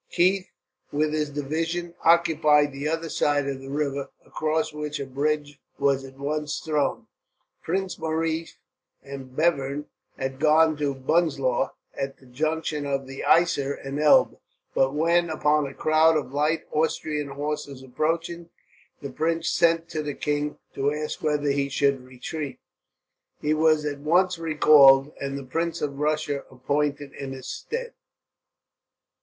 Keith with his division occupied the other side of the river, across which a bridge was at once thrown. Prince Maurice and Bevern had gone to Bunzlau, at the junction of the Iser and Elbe; but when, upon a crowd of light Austrian horse approaching, the Prince sent to the king to ask whether he should retreat, he was at once recalled, and the Prince of Prussia appointed in his stead.